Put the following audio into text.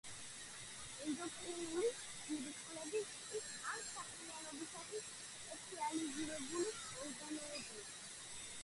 ენდოკრინული ჯირკვლები კი ამ საქმიანობისათვის სპეციალიზირებული ორგანოებია.